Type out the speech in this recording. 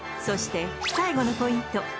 そして最後のポイント